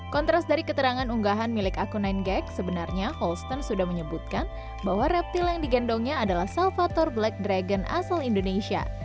kontras dari keterangan unggahan milik akun sembilan gag sebenarnya holster sudah menyebutkan bahwa reptil yang digendongnya adalah salvator black dragon asal indonesia